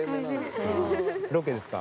ロケですか？